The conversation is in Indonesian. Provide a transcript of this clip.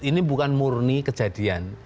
ini bukan murni kejadian